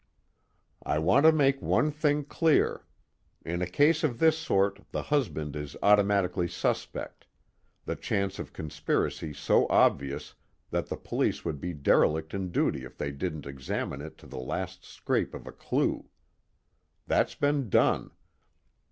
"I want to make one thing clear. In a case of this sort the husband is automatically suspect, the chance of conspiracy so obvious that the police would be derelict in duty if they didn't examine it to the last scrap of a clue. That's been done.